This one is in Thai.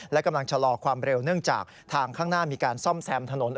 และกำลังชะลอความเร็วเนื่องจากทางข้างหน้ามีการซ่อมแซมถนน